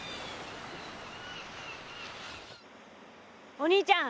お兄ちゃん